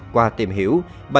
qua tìm hiểu